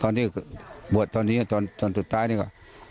ที่บวชตอนนี้จนสุดท้ายนี่ก็